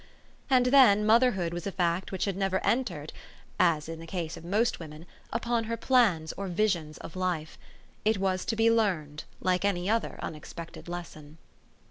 And then motherhood was a fact which had never entered (as in the case of most women) upon her plans or visions of h'fe. It was to be learned like any other unexpected lesson.